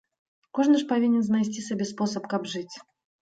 Кожны ж павінен знайсці сабе спосаб каб жыць!